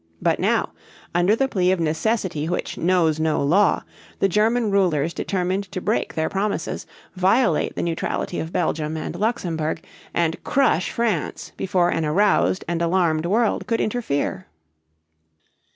But now, under the plea of necessity which "knows no law," the German rulers determined to break their promises, violate the neutrality of Belgium and Luxemburg, and crush France before an aroused and alarmed world could interfere.